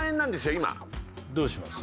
今どうします？